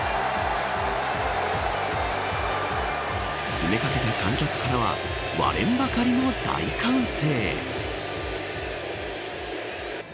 詰め掛けた観客からは割れんばかりの大歓声。